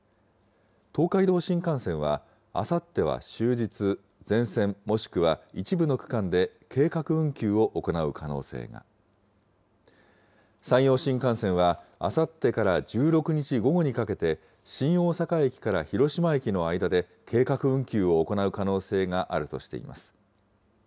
東海道新幹線は、あさっては終日、全線、もしくは一部の区間で、計画運休を行う可能性が、山陽新幹線はあさってから１６日午後にかけて、新大阪駅から広島駅の間で計画運休を行う可能性があるとしています。